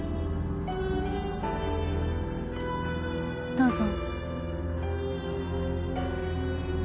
どうぞ。